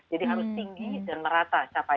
jadi harus tinggi dan merata